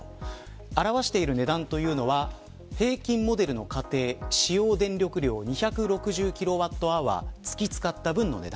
表している値段というのは平均モデルの家庭使用電力量２６０ｋＷｈ月、使った分の値段。